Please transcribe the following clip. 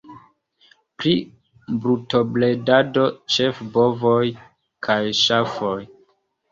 Pri brutobredado ĉefe bovoj kaj ŝafoj.